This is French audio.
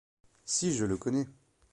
Si je le connais !